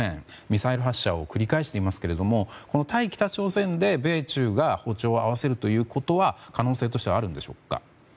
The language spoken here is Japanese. ミサイル発射を繰り返していますけども対北朝鮮で米中が歩調を合わせることは可能性としてはあるんでしょうか。